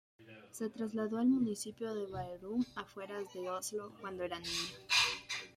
Se trasladó al municipio de Bærum afueras de Oslo cuando era niño.